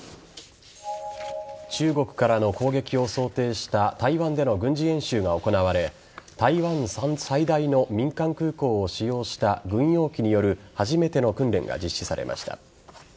中国からの攻撃を想定した台湾での軍事演習が行われ台湾最大の民間空港を使用した軍用機による初めての訓練が実施されました。